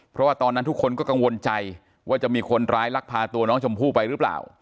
เพราะว่าตอนนั้นทุกคนก็กังวลใจว่าจะมีคนร้ายลักพาตัวน้องชมพู่ไปหรือเปล่า